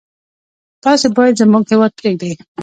تاسي باید زموږ هیواد پرېږدی.